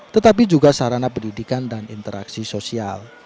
tetapi juga sarana pendidikan dan interaksi sosial